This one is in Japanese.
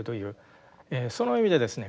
その意味でですね